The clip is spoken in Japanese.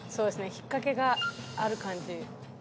引っかけがある感じ。